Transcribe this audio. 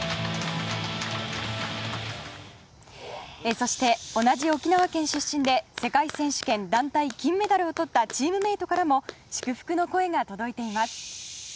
そして、同じ沖縄県出身で世界選手権団体金メダルをとったチームメートからも祝福の声が届いています。